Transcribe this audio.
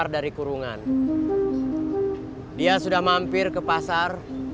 dia sudah mampir ke pasar